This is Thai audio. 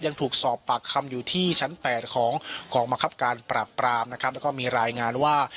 ยังถูกสอบปากคำอยู่ที่ชั้น๘ของกองบังคับการปราบปรามนะครับแล้วก็มีรายงานว่า